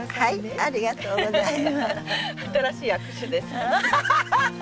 ありがとうございます。